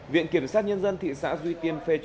viện kiểm soát nhân dân thị xã duy tiên